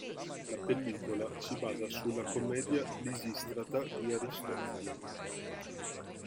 La pellicola si basa sulla commedia "Lisistrata" di Aristofane.